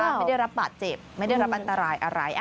ไม่ได้รับบาดเจ็บไม่ได้รับอันตรายอะไร